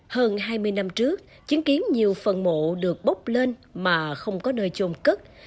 hơn hai mươi năm trước chứng kiến nhiều phần mộ được bốc lên mà không có nơi chôn cất